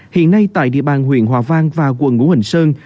hiện nay tại địa bàn huyện hòa vang và quận ngũ hành sơn